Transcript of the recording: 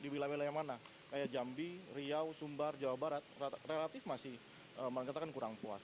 wilayah mana kayak jambi riau sumbar jawa barat relatif masih mengetahkan kurang puas